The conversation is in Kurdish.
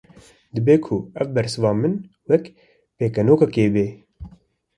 Dibe ku ev bersiva min, wek pêkenokekê be